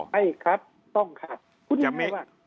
ไม่ครับต้องขับคุณยังไงบ้าง